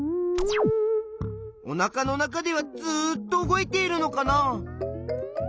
おなかの中ではずっと動いているのかな？